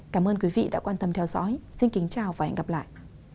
cảm ơn quý vị đã quan tâm theo dõi xin kính chào và hẹn gặp lại